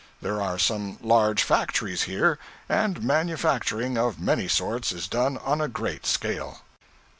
There are some large factories here, and manufacturing, of many sorts, is done on a great scale.